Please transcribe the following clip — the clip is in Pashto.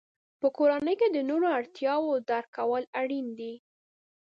په کورنۍ کې د نورو اړتیاوو درک کول اړین دي.